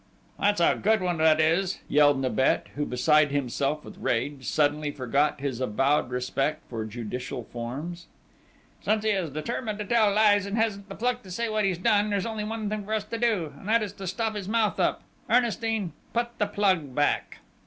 "That's a good one, that is!" yelled Nibet, who, beside himself with rage, suddenly forgot his avowed respect for judicial forms. "Since he is determined to tell lies, and hasn't the pluck to say what he's done, there's only one thing for us to do, and that's to stop his mouth up!... Ernestine, put the plug back!"